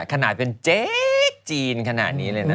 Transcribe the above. ขนาดเป็นเจ๊จีนขนาดนี้เลยนะ